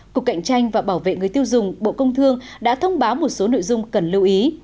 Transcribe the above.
cục cạnh tranh và bảo vệ người tiêu dùng bộ công thương đã thông báo một số nội dung cần lưu ý